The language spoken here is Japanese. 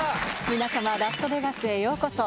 皆様ラストベガスへようこそ。